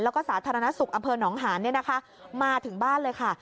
แล้วก็สาธารณสุขอำเภอหนองหานมาถึงบ้านเลยค่ะ